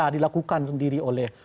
dilakukan sendiri oleh